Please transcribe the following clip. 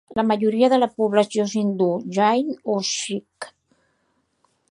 La majoria de la població és hindú, jain o sikh.